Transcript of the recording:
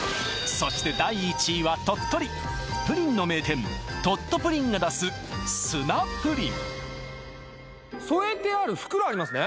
そして第１位は鳥取プリンの名店ＴｏｔｔｏＰＵＲＩＮが出す砂プリン添えてある袋ありますね